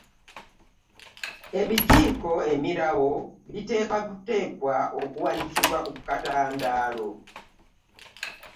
Ebijiiko, emirawo biteekwa buteekwa okuwanikibwa ku katandaalo.